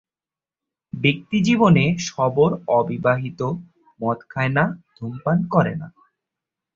ব্যক্তিজীবনে শবর অবিবাহিত, মদ খায় না, ধূমপান করে না।